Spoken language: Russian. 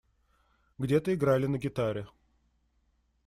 Где-то играли на гитаре.